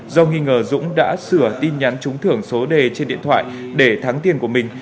do nghi ngờ dũng đã sửa tin nhắn trúng thưởng số đề trên điện thoại để thắng tiền của mình